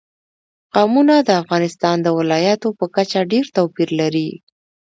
قومونه د افغانستان د ولایاتو په کچه ډېر توپیر لري.